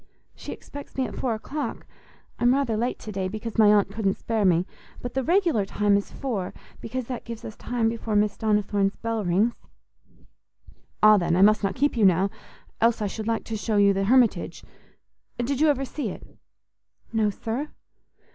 "She expects me at four o'clock. I'm rather late to day, because my aunt couldn't spare me; but the regular time is four, because that gives us time before Miss Donnithorne's bell rings." "Ah, then, I must not keep you now, else I should like to show you the Hermitage. Did you ever see it?" "No, sir."